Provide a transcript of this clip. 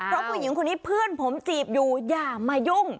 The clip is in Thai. เพราะผู้หญิงคนนี้เพื่อนผมจีบอยู่อย่ามายุ่ง